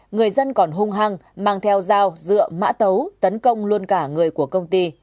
người dân còn hung hăng mang theo dao dựa mã tấu tấn công luôn cả người của công ty